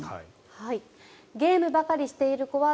ゲームばかりしている子は